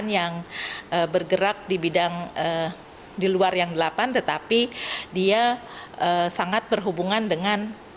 yang delapan artinya turunannya